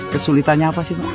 kesulitanya apa sih pak